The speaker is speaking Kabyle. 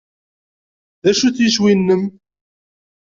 D acu-t yiswi-nnem?